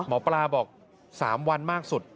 หมอปลาบอก๓วันมากสุด